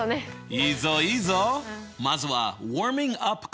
いいぞいいぞ！